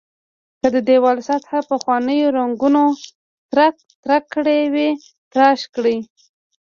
که د دېوال سطحه پخوانیو رنګونو ترک ترک کړې وي تراش کړئ.